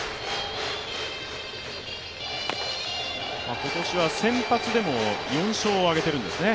今年は先発でも４勝をあげているんですね。